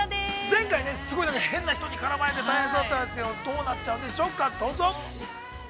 ◆前回ね、すごい変な人に絡まれて、大変そうだったですけれども、どうなっちゃうんでしょうか、どうぞ。